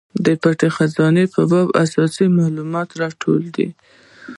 د پټې خزانې په باب اساسي مالومات راټولوي.